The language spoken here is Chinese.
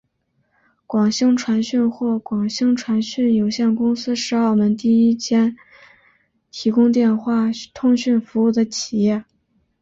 广星传讯或广星传讯有限公司是澳门第一间提供电话通讯服务的企业。